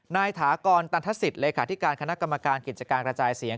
ถากรตันทศิษย์เลขาธิการคณะกรรมการกิจการกระจายเสียง